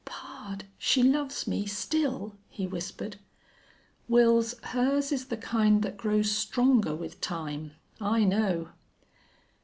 "Pard! She loves me still?" he whispered. "Wils, hers is the kind that grows stronger with time. I know."